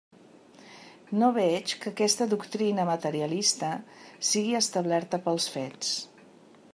No veig que aquesta doctrina materialista sigui establerta pels fets.